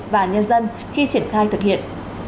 và nhân dân khi triển khai thực hiện